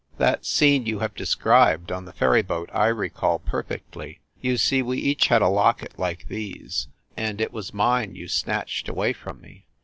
That scene you have described on the ferry boat I recall perfectly. You see, we each had a locket like these ; and it was mine you snatched away from me.